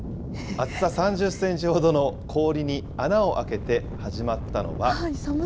厚さ３０センチほどの氷に穴をあけて始まったのは。